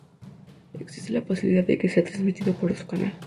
Existe la posibilidad que sea transmitido por otro canal.